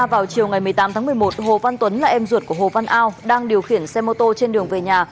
vào chiều ngày một mươi tám tháng một mươi một hồ văn tuấn là em ruột của hồ văn ao đang điều khiển xe mô tô trên đường về nhà